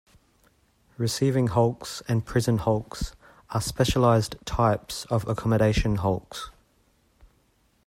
Receiving hulks and prison hulks are specialized types of accommodation hulks.